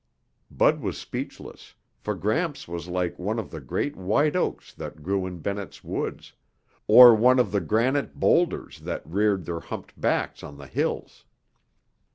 Bud was speechless, for Gramps was like one of the great white oaks that grew in Bennett's Woods, or one of the granite boulders that reared their humped backs on the hills.